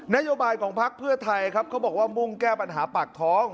นโยบายของพักเพื่อไทยครับเขาบอกว่ามุ่งแก้ปัญหาปากท้อง